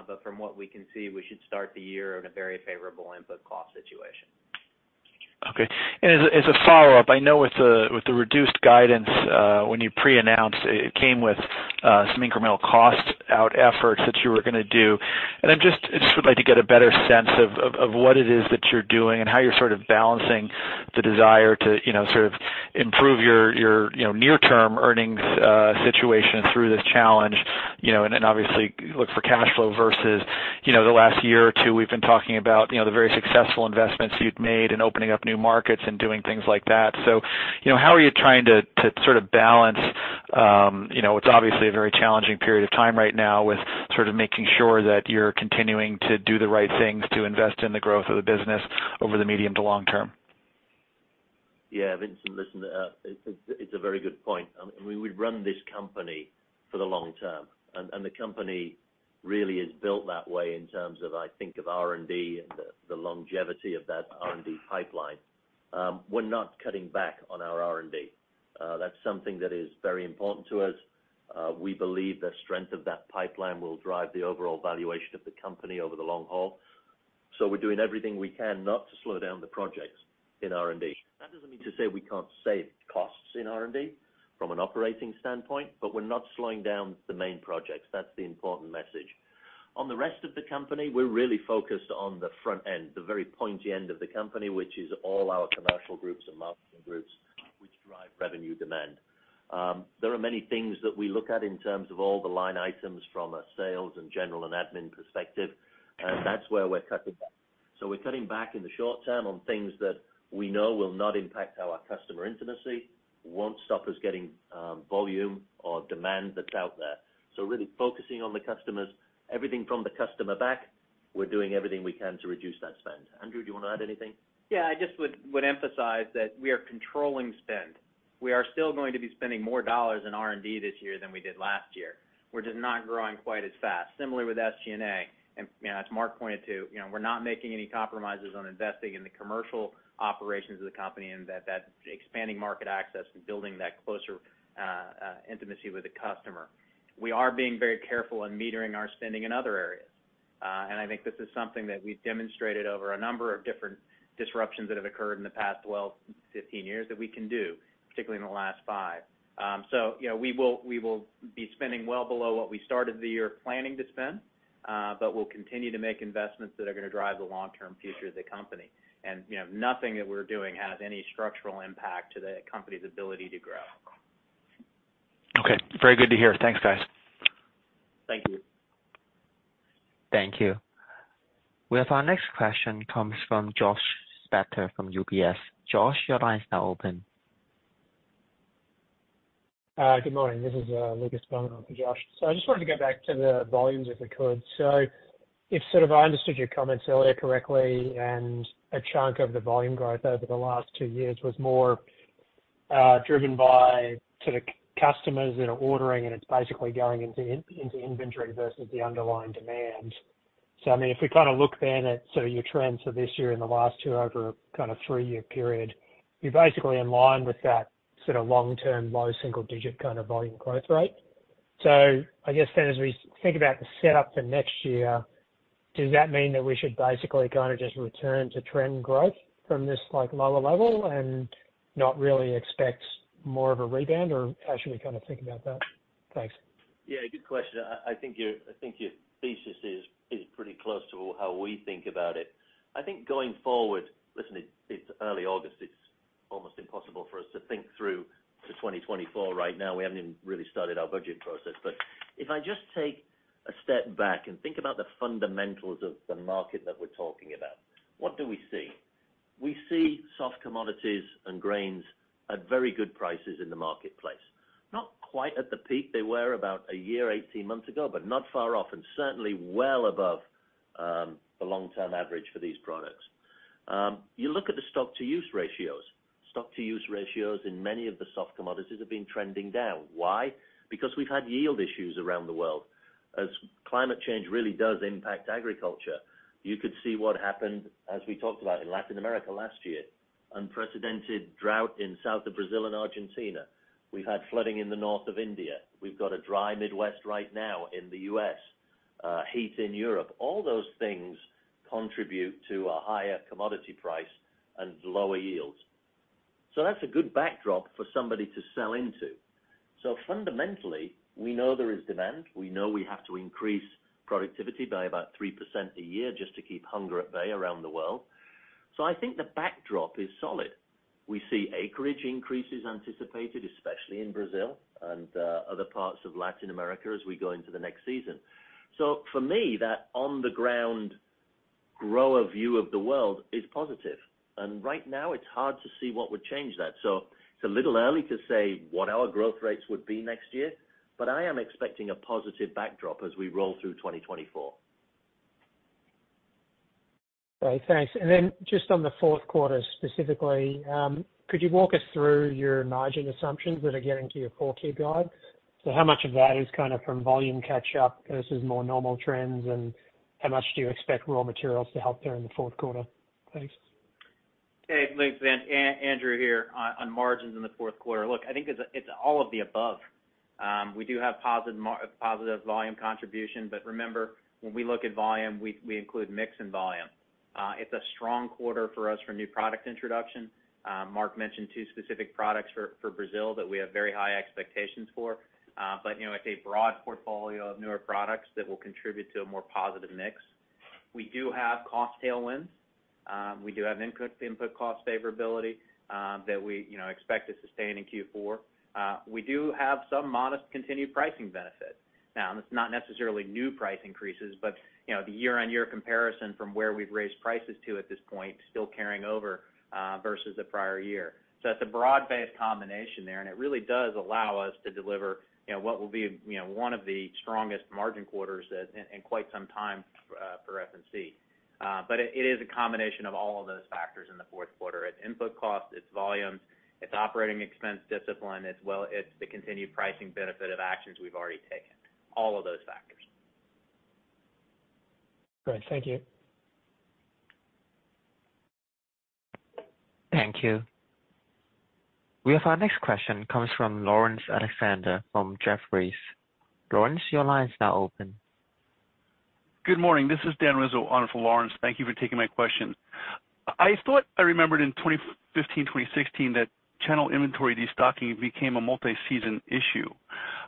but from what we can see, we should start the year in a very favorable input cost situation. Okay. As a, as a follow-up, I know with the, with the reduced guidance, when you pre-announced, it came with some incremental cost out efforts that you were gonna do. I just would like to get a better sense of what it is that you're doing and how you're sort of balancing the desire to, you know, sort of improve your, your, you know, near-term earnings situation through this challenge. You know, then obviously, look for cash flow versus, you know, the last year or two, we've been talking about, you know, the very successful investments you've made in opening up new markets and doing things like that. you know, how are you trying to, to sort of balance, you know, it's obviously a very challenging period of time right now with sort of making sure that you're continuing to do the right things to invest in the growth of the business over the medium to long term? Yeah, Vincent, listen, it's, it's a very good point. We would run this company for the long term, and the company really is built that way in terms of, I think, of R&D and the, the longevity of that R&D pipeline. We're not cutting back on our R&D. That's something that is very important to us. We believe the strength of that pipeline will drive the overall valuation of the company over the long haul. We're doing everything we can not to slow down the projects in R&D. That doesn't mean to say we can't save costs in R&D from an operating standpoint, but we're not slowing down the main projects. That's the important message. On the rest of the company, we're really focused on the front end, the very pointy end of the company, which is all our commercial groups and marketing groups, which drive revenue demand. There are many things that we look at in terms of all the line items from a sales and general and admin perspective, and that's where we're cutting back. We're cutting back in the short term on things that we know will not impact our customer intimacy, won't stop us getting volume or demand that's out there. Really focusing on the customers, everything from the customer back, we're doing everything we can to reduce that spend. Andrew, do you want to add anything? I just would emphasize that we are controlling spend. We are still going to be spending more dollars in R&D this year than we did last year. We're just not growing quite as fast. Similarly with SG&A, you know, as Mark pointed to, you know, we're not making any compromises on investing in the commercial operations of the company and that, that expanding market access and building that closer intimacy with the customer. We are being very careful in metering our spending in other areas. I think this is something that we've demonstrated over a number of different disruptions that have occurred in the past 12, 15 years, that we can do, particularly in the last five. You know, we will, we will be spending well below what we started the year planning to spend, but we'll continue to make investments that are gonna drive the long-term future of the company. You know, nothing that we're doing has any structural impact to the company's ability to grow. Okay, very good to hear. Thanks, guys. Thank you. Thank you. With our next question comes from Josh Spector from UBS. Josh, your line is now open. Good morning. This is Lucas Beaumont for Josh. I just wanted to go back to the volumes, if we could. If sort of I understood your comments earlier correctly, and a chunk of the volume growth over the last two years was more driven by sort of customers that are ordering, and it's basically going into inventory versus the underlying demand. I mean, if we kind of look then at sort of your trends for this year and the last two over a kind of three-year period, you're basically in line with that sort of long-term, low single digit kind of volume growth rate. I guess then, as we think about the setup for next year, does that mean that we should basically kind of just return to trend growth from this, like, lower level and not really expect more of a rebound? Or how should we kind of think about that? Thanks. Yeah, good question. I think your thesis is pretty close to how we think about it. I think going forward... Listen, it's early August, it's almost impossible for us to think through to 2024 right now. We haven't even really started our budget process. If I just take a step back and think about the fundamentals of the market that we're talking about, what do we see? We see soft commodities and grains at very good prices in the marketplace. Not quite at the peak they were about a year, 18 months ago, but not far off, and certainly well above the long-term average for these products. You look at the stock to use ratios. Stock to use ratios in many of the soft commodities have been trending down. Why? Because we've had yield issues around the world. Climate change really does impact agriculture, you could see what happened as we talked about in Latin America last year, unprecedented drought in south of Brazil and Argentina. We've had flooding in the north of India. We've got a dry Midwest right now in the U.S., heat in Europe. All those things contribute to a higher commodity price and lower yields. That's a good backdrop for somebody to sell into. Fundamentally, we know there is demand. We know we have to increase productivity by about 3% a year just to keep hunger at bay around the world. I think the backdrop is solid. We see acreage increases anticipated, especially in Brazil and other parts of Latin America as we go into the next season. For me, that on-the-ground grower view of the world is positive, and right now it's hard to see what would change that. It's a little early to say what our growth rates would be next year, but I am expecting a positive backdrop as we roll through 2024. Okay, thanks. Just on the fourth quarter specifically, could you walk us through your margin assumptions that are getting to your full year guide? How much of that is kind of from volume catch up versus more normal trends, and how much do you expect raw materials to help there in the fourth quarter? Thanks. Hey, Lucas, Andrew here. On margins in the fourth quarter. Look, I think it's all of the above. We do have positive volume contribution, but remember, when we look at volume, we include mix and volume. It's a strong quarter for us for new product introduction. Mark mentioned two specific products for Brazil that we have very high expectations for. But you know, it's a broad portfolio of newer products that will contribute to a more positive mix. We do have cost tailwinds. We do have input cost favorability that we, you know, expect to sustain in Q4. We do have some modest continued pricing benefit. Now, it's not necessarily new price increases, but, you know, the year-over-year comparison from where we've raised prices to at this point, still carrying over versus the prior year. It's a broad-based combination there, and it really does allow us to deliver, you know, what will be, you know, one of the strongest margin quarters in quite some time for FMC. It, it is a combination of all of those factors in the fourth quarter. It's input cost, it's volumes, it's operating expense discipline, as well it's the continued pricing benefit of actions we've already taken. All of those factors. Great, thank you. Thank you. We have our next question comes from Lawrence Alexander from Jefferies. Lawrence, your line is now open. Good morning. This is Dan Rizzo, on for Lawrence. Thank you for taking my question. I thought I remembered in 2015, 2016, that channel inventory destocking became a multi-season issue.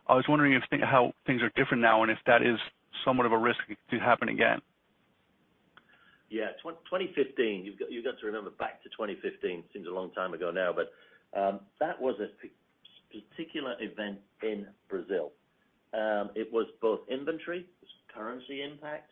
I was wondering how things are different now, and if that is somewhat of a risk to happen again? Yeah, 2015, you've got, you've got to remember back to 2015. Seems a long time ago now, but that was a particular event in Brazil. It was both inventory, it was currency impact,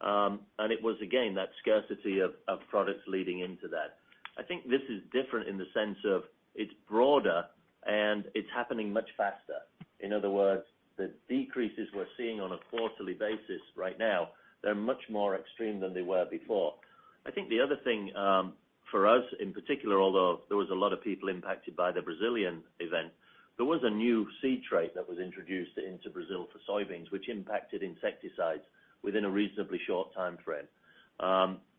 and it was, again, that scarcity of, of products leading into that. I think this is different in the sense of it's broader and it's happening much faster. In other words, the decreases we're seeing on a quarterly basis right now, they're much more extreme than they were before. I think the other thing for us, in particular, although there was a lot of people impacted by the Brazilian event, there was a new seed trait that was introduced into Brazil for soybeans, which impacted insecticides within a reasonably short time frame.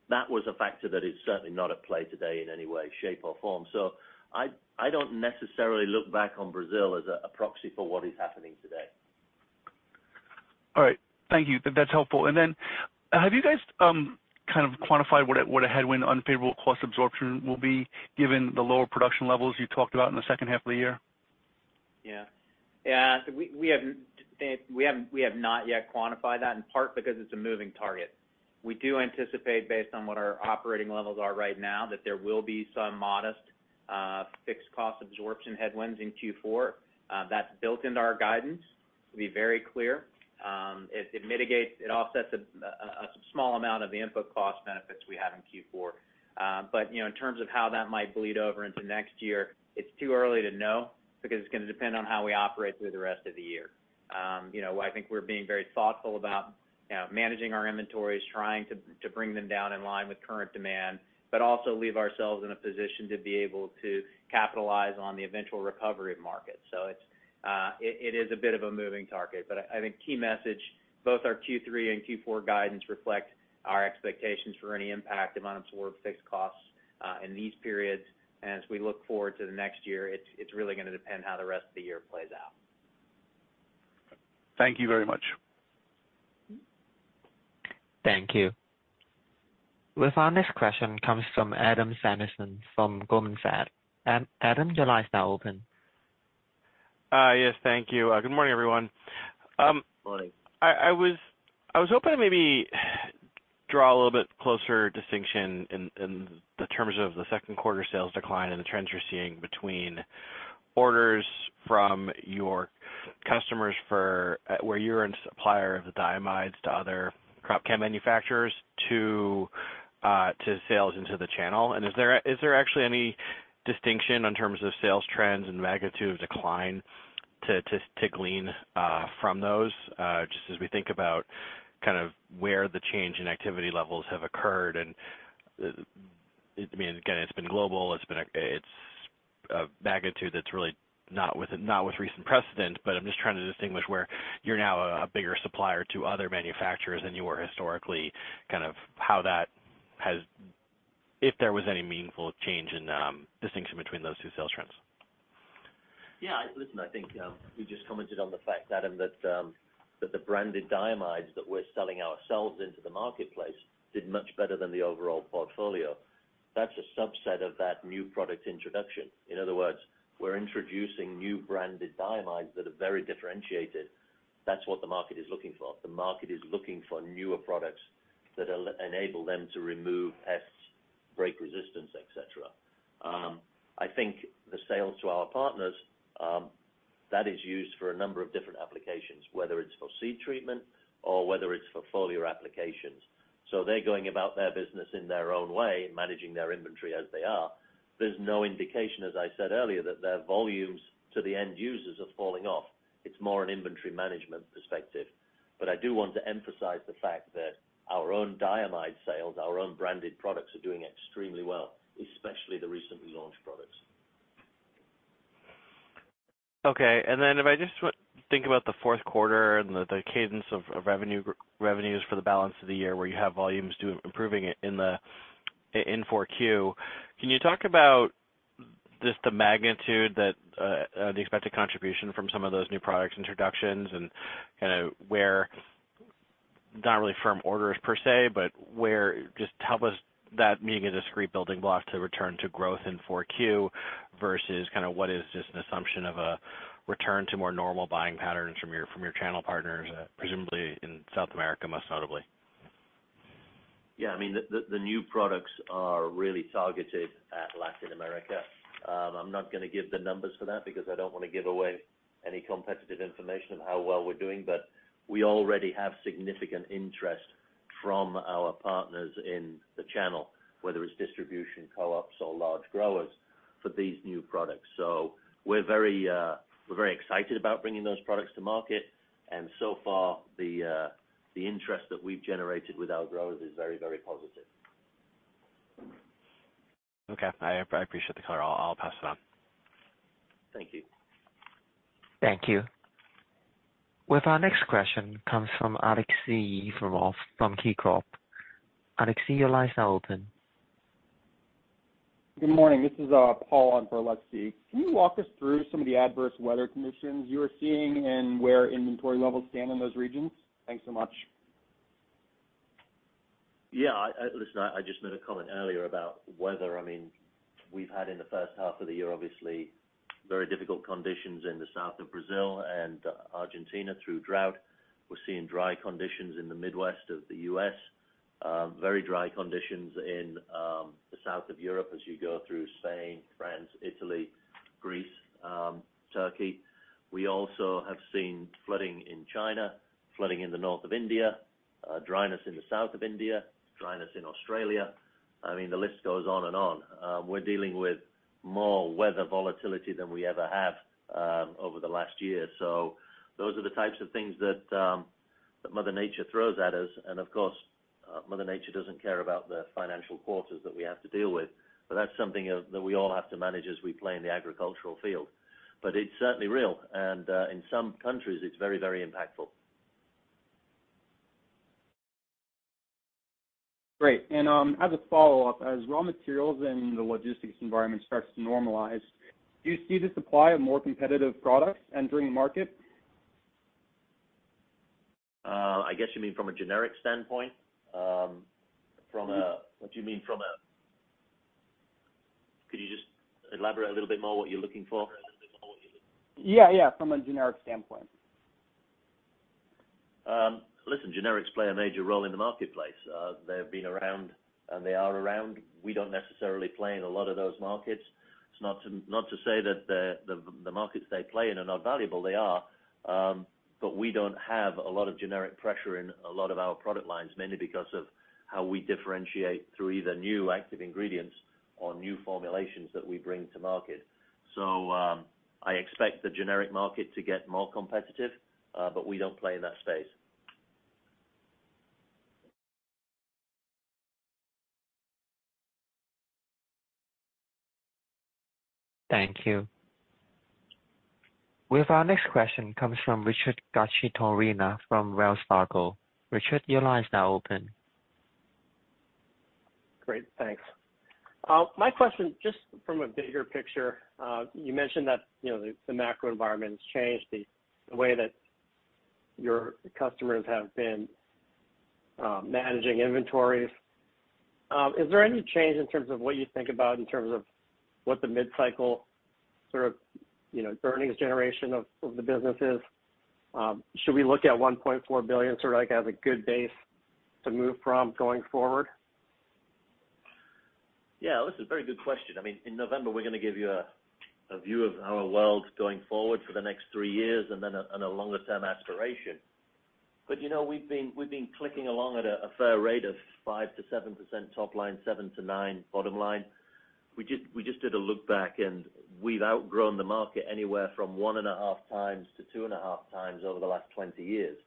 That was a factor that is certainly not at play today in any way, shape, or form. I, I don't necessarily look back on Brazil as a, a proxy for what is happening today. All right. Thank you. That's helpful. Then, have you guys kind of quantified what a, what a headwind unfavorable cost absorption will be, given the lower production levels you talked about in the second half of the year? We, we have not yet quantified that, in part because it's a moving target. We do anticipate, based on what our operating levels are right now, that there will be some modest fixed cost absorption headwinds in Q4. That's built into our guidance, to be very clear. It, it mitigates, it offsets a small amount of the input cost benefits we have in Q4. But, you know, in terms of how that might bleed over into next year, it's too early to know because it's gonna depend on how we operate through the rest of the year. You know, I think we're being very thoughtful about, you know, managing our inventories, trying to, to bring them down in line with current demand, but also leave ourselves in a position to be able to capitalize on the eventual recovery of markets. It's, it, it is a bit of a moving target. I, I think key message, both our Q3 and Q4 guidance reflect our expectations for any impact of unabsorbed fixed costs in these periods. As we look forward to the next year, it's, it's really gonna depend how the rest of the year plays out. Thank you very much. Thank you. With our next question comes from Adam Samuelson from Goldman Sachs. Adam, your line is now open. Yes, thank you. Good morning, everyone. Good morning. I, I was, I was hoping to maybe draw a little bit closer distinction in, in the terms of the second quarter sales decline and the trends you're seeing between orders from your customers for, where you're in supplier of the diamides to other crop chem manufacturers, to sales into the channel. Is there actually any distinction in terms of sales trends and magnitude of decline to, to, to glean from those? Just as we think about kind of where the change in activity levels have occurred, and I mean, again, it's been global, it's been a magnitude that's really not with, not with recent precedent, but I'm just trying to distinguish where you're now a bigger supplier to other manufacturers than you were historically. Kind of how that has... If there was any meaningful change in distinction between those two sales trends. Yeah, listen, I think, we just commented on the fact, Adam, that, that the branded diamides that we're selling ourselves into the marketplace did much better than the overall portfolio. That's a subset of that new product introduction. In other words, we're introducing new branded diamides that are very differentiated. That's what the market is looking for. The market is looking for newer products that enable them to remove pests, break resistance, et cetera. I think the sales to our partners, that is used for a number of different applications, whether it's for seed treatment or whether it's for foliar applications. They're going about their business in their own way, managing their inventory as they are. There's no indication, as I said earlier, that their volumes to the end users are falling off. It's more an inventory management perspective. I do want to emphasize the fact that our own diamide sales, our own branded products, are doing extremely well, especially the recently launched products. Okay. Then if I just think about the fourth quarter and the cadence of revenue, revenues for the balance of the year, where you have volumes improving in 4Q. Can you talk about just the magnitude that the expected contribution from some of those new products introductions and kind of where, not really firm orders per se, but where. Just help us. That being a discrete building block to return to growth in 4Q versus kind of what is just an assumption of a return to more normal buying patterns from your, from your channel partners, presumably in South America, most notably? Yeah, I mean, the, the, the new products are really targeted at Latin America. I'm not gonna give the numbers for that because I don't wanna give away any competitive information on how well we're doing. We already have significant interest from our partners in the channel, whether it's distribution, co-ops, or large growers, for these new products. We're very, we're very excited about bringing those products to market, and so far, the interest that we've generated with our growers is very, very positive. Okay. I, I appreciate the color. I'll, I'll pass it on. Thank you. Thank you. With our next question, comes from Alexi from KeyCorp. Alexi, your line is now open. Good morning. This is Paul on for Alexi. Can you walk us through some of the adverse weather conditions you are seeing and where inventory levels stand in those regions? Thanks so much. Yeah, I, I-- listen, I just made a comment earlier about weather. I mean, we've had in the first half of the year, obviously, very difficult conditions in the south of Brazil and Argentina through drought. We're seeing dry conditions in the Midwest of the U.S., very dry conditions in the south of Europe as you go through Spain, France, Italy, Greece, Turkey. We also have seen flooding in China, flooding in the north of India, dryness in the south of India, dryness in Australia. I mean, the list goes on and on. We're dealing with more weather volatility than we ever have over the last year. Those are the types of things that Mother Nature throws at us. Of course, Mother Nature doesn't care about the financial quarters that we have to deal with, that's something that we all have to manage as we play in the agricultural field. It's certainly real, and, in some countries, it's very, very impactful. Great. As a follow-up, as raw materials and the logistics environment starts to normalize, do you see the supply of more competitive products entering the market? I guess you mean from a generic standpoint? Mm-hmm. What do you mean? Could you just elaborate a little bit more what you're looking for? Yeah, yeah, from a generic standpoint. Listen, generics play a major role in the marketplace. They've been around, and they are around. We don't necessarily play in a lot of those markets. It's not to, not to say that the, the, the markets they play in are not valuable, they are. We don't have a lot of generic pressure in a lot of our product lines, mainly because of how we differentiate through either new active ingredients or new formulations that we bring to market. I expect the generic market to get more competitive, but we don't play in that space. Thank you. With our next question comes from Richard Garchitorena from Wells Fargo. Richard, your line is now open. Great, thanks. My question, just from a bigger picture, you mentioned that, you know, the, the macro environment has changed, the, the way that your customers have been managing inventories. Is there any change in terms of what you think about in terms of what the mid-cycle sort of, you know, earnings generation of, of the business is? Should we look at $1.4 billion, sort of, like, as a good base to move from going forward? Yeah, listen, very good question. I mean, in November, we're gonna give you a, a view of our world going forward for the next three years and then a, and a longer-term aspiration. You know, we've been, we've been clicking along at a, a fair rate of 5%-7% top line, 7%-9% bottom line. We just, we just did a look back, and we've outgrown the market anywhere from one and a half times to two and a half times over the last 20 years.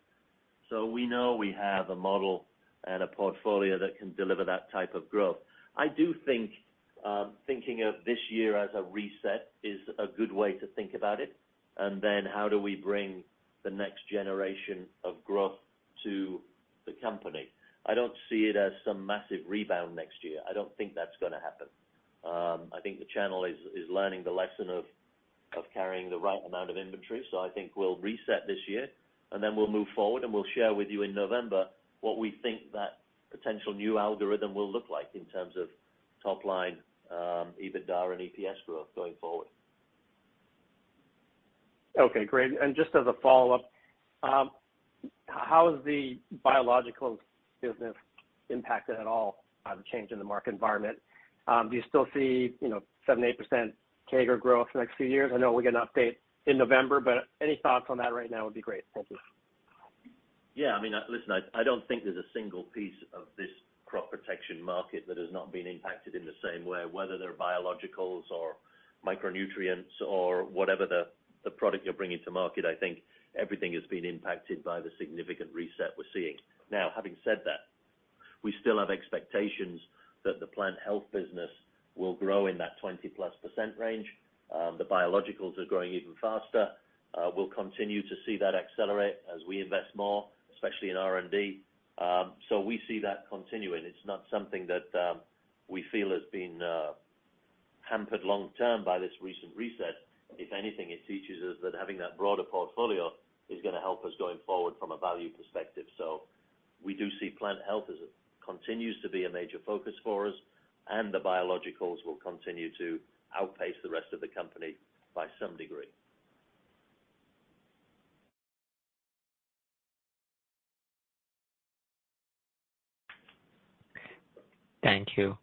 We know we have a model and a portfolio that can deliver that type of growth. I do think, thinking of this year as a reset is a good way to think about it, and then how do we bring the next generation of growth to the company? I don't see it as some massive rebound next year. I don't think that's gonna happen. I think the channel is, is learning the lesson of, of carrying the right amount of inventory. I think we'll reset this year, and then we'll move forward, and we'll share with you in November what we think that potential new algorithm will look like in terms of top line, EBITDA and EPS growth going forward. Okay, great. Just as a follow-up, how is the biological business impacted at all by the change in the market environment? Do you still see, you know, 7%, 8% CAGR growth the next few years? I know we'll get an update in November, but any thoughts on that right now would be great. Thank you. Yeah, I mean, listen, I, I don't think there's a single piece of this crop protection market that has not been impacted in the same way, whether they're biologicals or micronutrients or whatever the, the product you're bringing to market. I think everything has been impacted by the significant reset we're seeing. Now, having said that, we still have expectations that the plant health business will grow in that 20+% range. The biologicals are growing even faster. We'll continue to see that accelerate as we invest more, especially in R&D. So we see that continuing. It's not something that, we feel has been, hampered long term by this recent reset. If anything, it teaches us that having that broader portfolio is gonna help us going forward from a value perspective. We do see plant health as it continues to be a major focus for us, and the biologicals will continue to outpace the rest of the company by some degree. Thank you.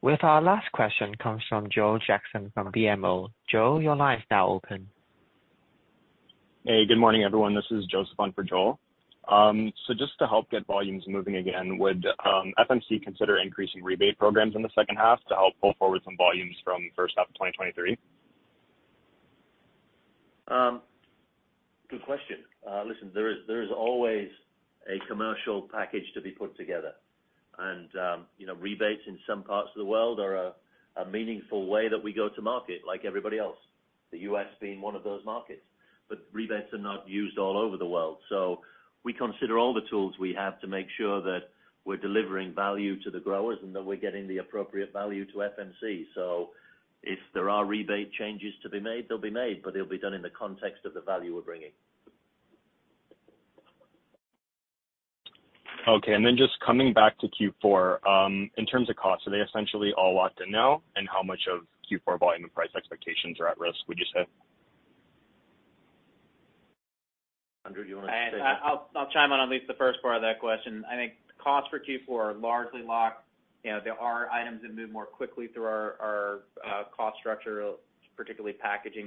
With our last question comes from Joel Jackson from BMO. Joel, your line is now open. Hey, good morning, everyone. This is Joseph on for Joel. Just to help get volumes moving again, would FMC consider increasing rebate programs in the second half to help pull forward some volumes from first half of 2023? Good question. Listen, there is, there is always a commercial package to be put together, and, you know, rebates in some parts of the world are a, a meaningful way that we go to market like everybody else, the U.S. being 1 of those markets. Rebates are not used all over the world. We consider all the tools we have to make sure that we're delivering value to the growers and that we're getting the appropriate value to FMC. If there are rebate changes to be made, they'll be made, but it'll be done in the context of the value we're bringing. Okay. Then just coming back to Q4, in terms of costs, are they essentially all locked in now? How much of Q4 volume and price expectations are at risk, would you say? Andrew, you want to say? I'll, I'll chime in on at least the first part of that question. I think costs for Q4 are largely locked. You know, there are items that move more quickly through our cost structure, particularly packaging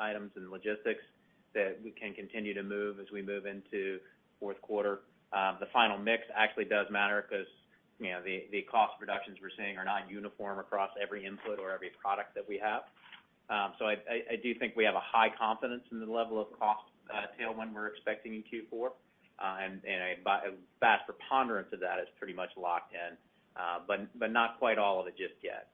items and logistics, that we can continue to move as we move into fourth quarter. The final mix actually does matter because, you know, the cost reductions we're seeing are not uniform across every input or every product that we have. I do think we have a high confidence in the level of cost tailwind we're expecting in Q4. A vast preponderance of that is pretty much locked in, but not quite all of it just yet.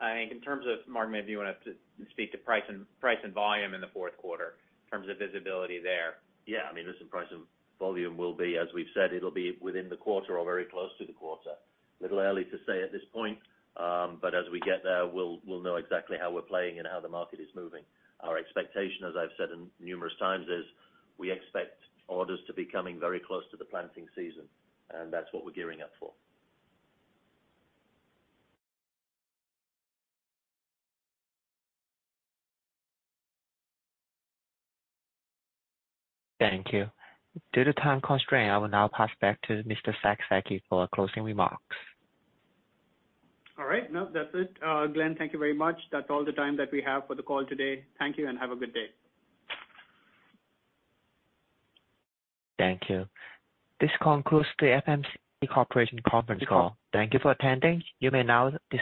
I think in terms of, Mark, maybe you want to speak to price and price and volume in the fourth quarter, in terms of visibility there. Yeah, I mean, listen, price and volume will be as we've said, it'll be within the quarter or very close to the quarter. A little early to say at this point, but as we get there, we'll, we'll know exactly how we're playing and how the market is moving. Our expectation, as I've said in numerous times, is we expect orders to be coming very close to the planting season, and that's what we're gearing up for. Thank you. Due to time constraint, I will now pass back to Mr. Zack Zaki for closing remarks. All right, no, that's it. Glenn, thank you very much. That's all the time that we have for the call today. Thank you and have a good day. Thank you. This concludes the FMC Corporation conference call. Thank you for attending. You may now disconnect.